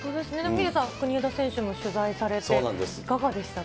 ヒデさん、国枝選手も取材されて、いかがでしたか？